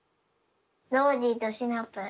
ノージーとシナプー。